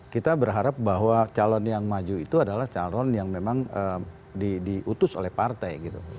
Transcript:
kita berharap bahwa calon yang maju itu adalah calon yang memang diutus oleh partai gitu